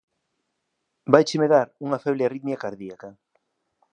Váicheme dar unha feble arritmia cardíaca.